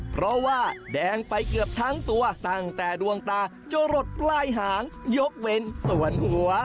เพราะว่าแดงไปเกือบทั้งตัวตั้งแต่ดวงตาจะหลดปลายหางยกเว้นส่วนหัว